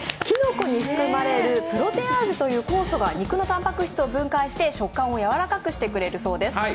きのこに含まれるプロテアーゼという酵素が肉のたんぱく質を分解して食感をやわらかくしてくれるそうです。